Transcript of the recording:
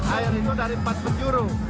air itu dari empat penjuru